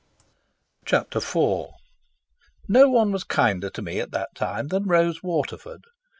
Chapter IV No one was kinder to me at that time than Rose Waterford.